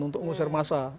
untuk mengusir massa